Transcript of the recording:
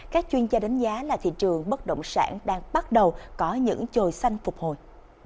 các chuyên gia đánh giá là thị trường bất động sản đang bắt đầu có những trồi xanh phục hồi